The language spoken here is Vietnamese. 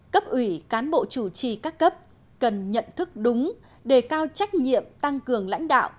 cấp ủy cán bộ chủ trì các cấp cần nhận thức đúng đề cao trách nhiệm tăng cường lãnh đạo